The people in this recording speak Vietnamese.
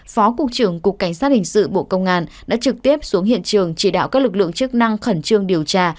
phó cục trưởng cục cảnh sát hình sự bộ công an đã trực tiếp xuống hiện trường chỉ đạo các lực lượng chức năng khẩn trương điều tra